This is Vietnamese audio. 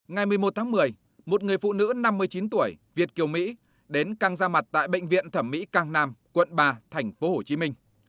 ngày một mươi một tháng một mươi một người phụ nữ năm mươi chín tuổi việt kiều mỹ đến căng ra mặt tại bệnh viện thẩm mỹ cang nam quận ba tp hcm